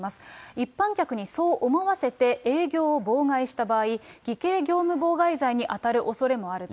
一般客にそう思わせて営業を妨害した場合、偽計業務妨害罪に当たるおそれもあると。